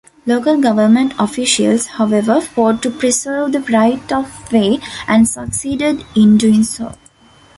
Local government officials, however, fought to preserve the right-of-way and succeeded in doing so.